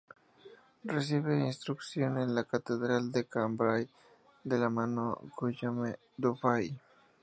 Recibe instrucción en la catedral de Cambrai, de la mano de Guillaume Dufay.